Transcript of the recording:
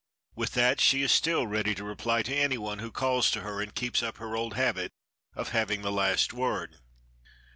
With that she is still ready to reply to anyone who calls to her and keeps up her old habit of having the last word.